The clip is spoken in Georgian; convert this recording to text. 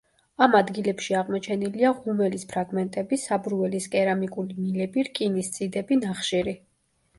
ამ ადგილებში აღმოჩენილია ღუმელის ფრაგმენტები, საბურველის კერამიკული მილები, რკინის წიდები და ნახშირი.